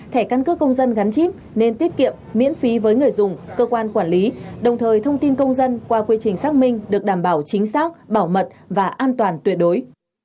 thẻ căn cước công dân gắn chip nên tiết kiệm miễn phí với người dùng cơ quan quản lý đồng thời thông tin công dân qua quy trình xác minh được đảm bảo chính xác bảo mật và an toàn tuyệt đối